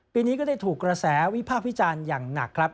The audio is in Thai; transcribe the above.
ปีนี้ก็ได้ถูกกระแสวิพากษ์วิจารณ์อย่างหนักครับ